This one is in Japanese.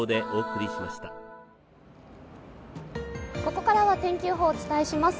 ここからは天気予報をお伝えします。